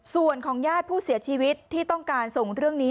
ส่วนของญาติผู้เสียชีวิตที่ต้องการส่งเรื่องนี้